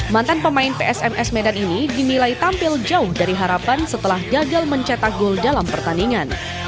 mantan pemain psms medan ini dinilai tampil jauh dari harapan setelah gagal mencetak gol dalam pertandingan